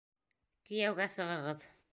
Кейәүгә сығығыҙ.